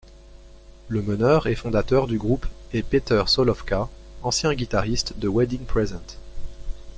Le meneur et fondateur du groupe est Peter Solowka, ancien guitariste de Wedding Present.